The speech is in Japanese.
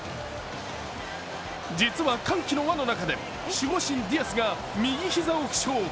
実は歓喜の輪の中で守護神・ディアスが右膝を負傷。